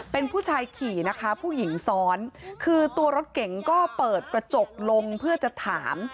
เป็นผู้ชายขี่นะคะผู้หญิงซ้อนคือตัวรถเก๋งก็เปิดกระจกลงเพื่อจะถาม